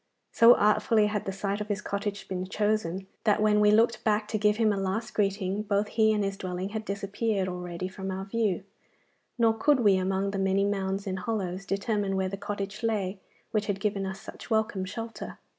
So artfully had the site of his cottage been chosen, that when we looked back to give him a last greeting both he and his dwelling had disappeared already from our view, nor could we, among the many mounds and hollows, determine where the cottage lay which had given us such welcome shelter.